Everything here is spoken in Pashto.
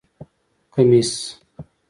👗 کمېس